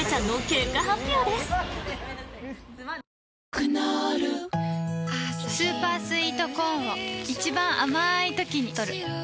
クノールスーパースイートコーンを一番あまいときにとる